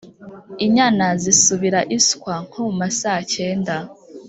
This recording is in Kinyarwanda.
Inyana zisubira iswa (nko mu masaa cyenda)